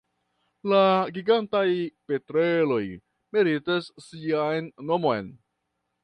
La Gigantaj petreloj meritas sian nomon.